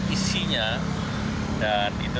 isinya dan itu